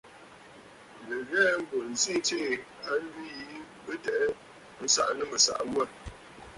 Nɨ ghɛɛ, mbù ǹzi tsiʼǐ a njwi yìi bɨ tɛ'ɛ nsaʼa nɨ mɨ̀saʼa ghu aà.